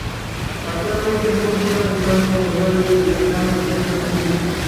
Actualmente, Moon Ribas está desarrollando e experimentando el sentido sísmico.